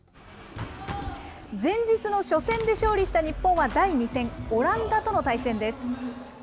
前日の初戦で勝利した日本は第２戦、オランダとの対戦です。